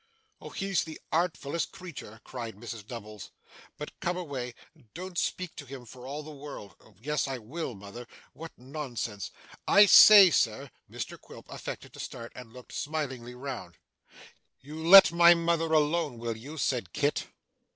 'Oh, he's the artfullest creetur!' cried Mrs Nubbles. 'But come away. Don't speak to him for the world.' 'Yes I will, mother. What nonsense. I say, sir ' Mr Quilp affected to start, and looked smilingly round. 'You let my mother alone, will you?' said Kit.